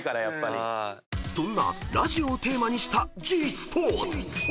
［そんなラジオをテーマにしたｇスポーツ］